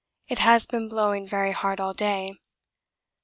It has been blowing very hard all day.